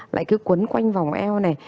lại cứ cuốn quanh vòng eo này